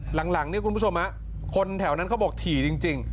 หลังเนี่ยคุณผู้ชมคนแถวนั้นเขาบอกถี่จริง